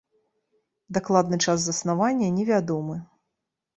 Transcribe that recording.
Дакладны час заснавання не вядомы.